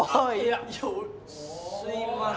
すいません。